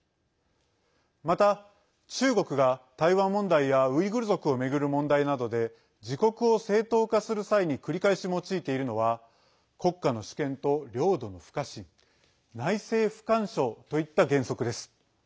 また、中国が台湾問題やウイグル族を巡る問題などで自国を正当化する際に繰り返し用いているのは国家の主権と領土の不可侵内政不干渉といった原則です。